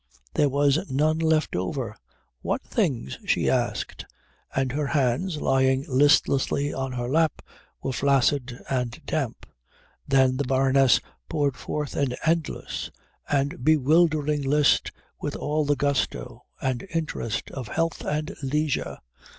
There was none left over. "What things?" she asked; and her hands, lying listlessly on her lap, were flaccid and damp. Then the Baroness poured forth an endless and bewildering list with all the gusto and interest of health and leisure.